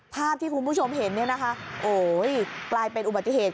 ภาพที่คุณผู้ชมเห็นเนี่ยนะคะโอ้ยกลายเป็นอุบัติเหตุ